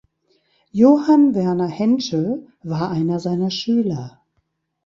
Johann Werner Henschel war einer seiner Schüler.